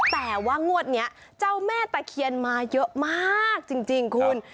แต่ว่างวดนี้เจ้าแม่ตะเคียนมาเยอะมากจริงคุณ